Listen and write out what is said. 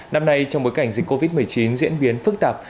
năm nay trong bối cảnh dịch covid một mươi chín diễn biến phức tạp